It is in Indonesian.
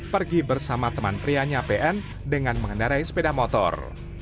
pergi bersama teman prianya pn dengan mengendarai sepeda motor